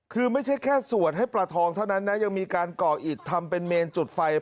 คือไม่ใช่แค่สวดให้ปลาทองเท่านั้นนะยังมีการก่ออิดทำเป็นเมนจุดไฟ